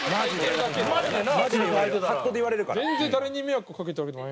全然誰に迷惑かけてるわけでもない。